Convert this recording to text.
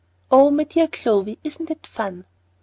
Oh, my dear Clovy, isn't it fun?